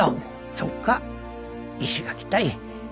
そっが石垣たい。